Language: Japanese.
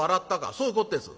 「そういうこってす」。